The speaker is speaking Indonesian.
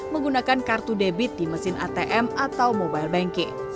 menggunakan kartu debit di mesin atm atau mobile banking